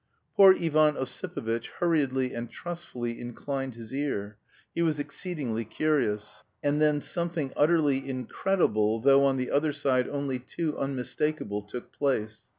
Poor Ivan Ossipovitch hurriedly and trustfully inclined his ear; he was exceedingly curious. And then something utterly incredible, though on the other side only too unmistakable, took place.